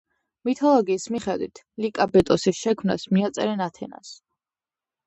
მითოლოგიის მიხედვით ლიკაბეტოსის შექმნას მიაწერენ ათენას.